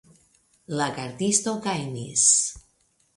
La gardisto gajnis.